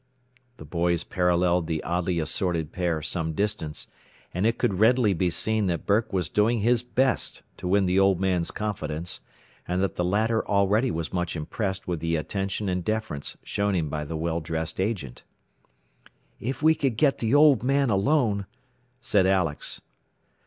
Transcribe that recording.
The boys parallelled the oddly assorted pair some distance, and it could readily be seen that Burke was doing his best to win the old man's confidence, and that the latter already was much impressed with the attention and deference shown him by the well dressed agent. "If we could get the old man alone," said Alex.